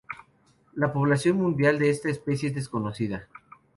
La población mundial de esta especie es desconocida.